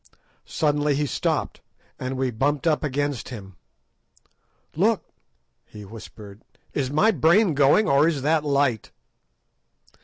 Suddenly he stopped, and we bumped up against him. "Look!" he whispered, "is my brain going, or is that light?"